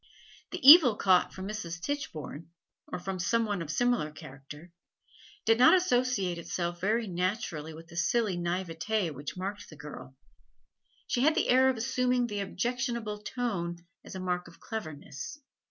The evil caught from Mrs. Tichborne, or from some one of similar character, did not associate itself very naturally with the silly naivete which marked the girl; she had the air of assuming the objectionable tone as a mark of cleverness.